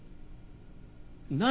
何？